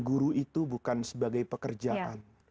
guru itu bukan sebagai pekerjaan